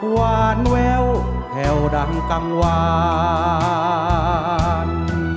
หวานแววแถวดังกลางวาน